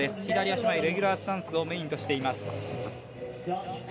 左足前、レギュラースタンスをメインとしています。